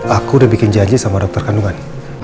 aku udah bikin janji sama dokter kandungan